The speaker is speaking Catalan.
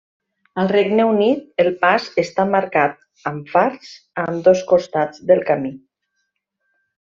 Al Regne Unit, el pas està marcat amb fars a ambdós costats del camí.